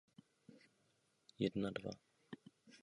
Vacek také organizoval sbírku potravin a peněz pro rodiny zatčených.